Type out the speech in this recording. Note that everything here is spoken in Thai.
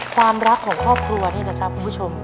ความรักของครอบครัวนี่นะครับคุณผู้ชม